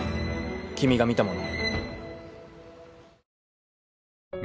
君が見たもの。